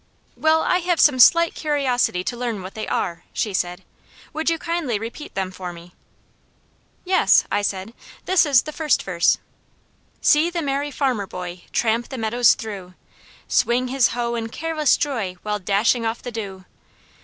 "Well, I have some slight curiosity to learn what they are," she said. "Would you kindly repeat them for me?" "Yes," I said. "This is the first verse: "'See the merry farmer boy tramp the meadows through, Swing his hoe in careless joy while dashing off the dew.